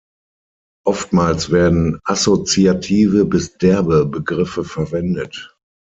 Oftmals werden assoziative bis derbe Begriffe verwendet.